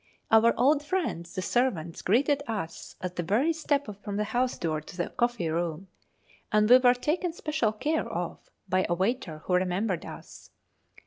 Our old friends the servants greeted us at every step from the house door to the coffee room, and we were taken special care of by a waiter who remembered us.